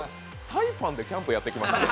サイパンでキャンプやってきました？